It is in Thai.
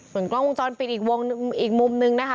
โว้งกร้องวงจรปิดอีกมุมนะคะ